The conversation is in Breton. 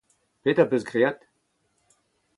Petra 'peus graet ?